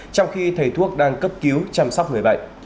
trong khi thầy thuốc đang cấp cứu chăm sóc người bệnh